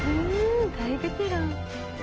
大ベテラン。